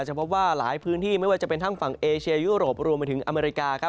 จะพบว่าหลายพื้นที่ไม่ว่าจะเป็นทั้งฝั่งเอเชียยุโรปรวมไปถึงอเมริกาครับ